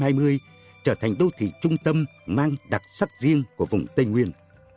phấn đấu trước năm hai nghìn hai mươi trở thành đô thị trung tâm mang đặc sắc riêng của vùng tây nguyên